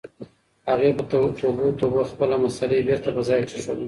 هغې په توبو توبو خپله مصلّی بېرته په ځای کېښوده.